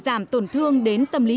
để giảm tổn thương đến tâm lý trẻ